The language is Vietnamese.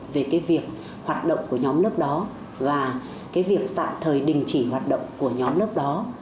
về cái việc hoạt động của nhóm lớp đó và cái việc tạm thời đình chỉ hoạt động của nhóm lớp đó